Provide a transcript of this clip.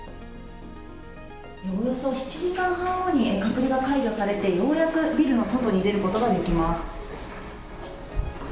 およそ７時間半後に隔離が解除されて、ようやくビルの外に出ることができます。